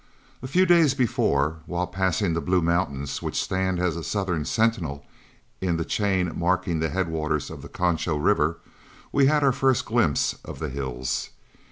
A few days before, while passing the blue mountains which stand as a southern sentinel in the chain marking the headwaters of the Concho River, we had our first glimpse of the hills.